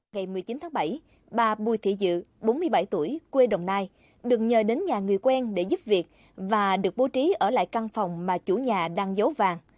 ngày một mươi chín tháng bảy bà bùi thị dự bốn mươi bảy tuổi quê đồng nai đừng nhờ đến nhà người quen để giúp việc và được bố trí ở lại căn phòng mà chủ nhà đang giấu vàng